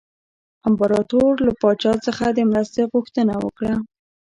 امپراطور له پاچا څخه د مرستې غوښتنه وکړه.